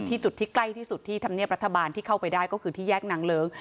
จุดที่ใกล้ที่สุดที่ธรรมเนียบรัฐบาลที่เข้าไปได้ก็คือที่แยกนางเลิ้ง